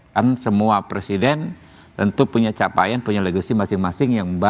kan semua presiden tentu punya capaian punya legacy masing masing yang baik